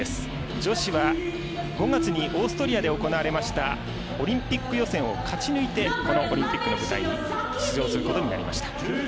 女子は５月にオーストリアで行われましたオリンピック予選を勝ち抜いてこのオリンピックの舞台に出場することになりました。